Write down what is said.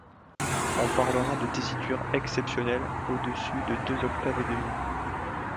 On parlera de tessiture exceptionnelle au-dessus de deux octaves et demi.